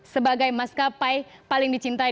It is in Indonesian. sebagai maskapai paling dicintai